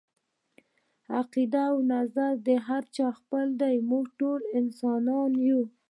عقیده او نظريه د هر چا خپله ده، موږ ټول انسانان يو